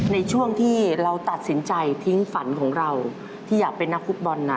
ในช่วงที่เราตัดสินใจทิ้งฝันของเราที่อยากเป็นนักฟุตบอลนะ